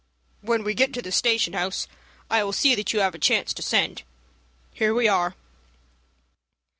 "When we get to the station house I will see that you have a chance to send. Here we are."